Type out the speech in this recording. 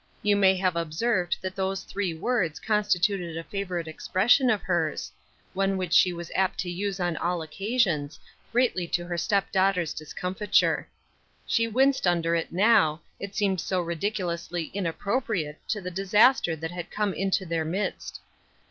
You may have ob served that those tljree words constituted a favorite expression of hers — one which she was apt to use on all occasions, greatly to her step daughter's discomfiture. She winced under it now, it seemed so ridiculously inappropriate to the disaster that had come into their midst.